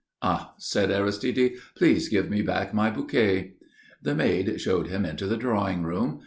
"Ah!" said Aristide. "Please give me back my bouquet." The maid showed him into the drawing room.